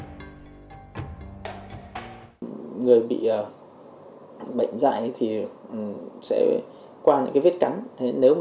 người bị bệnh dạy thì sẽ qua những cái vết cắn